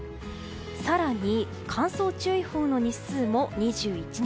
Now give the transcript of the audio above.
更に乾燥注意報の日数も２１日。